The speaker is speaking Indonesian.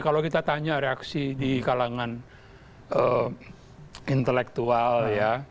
mungkin ada reaksi di kalangan intelektual ya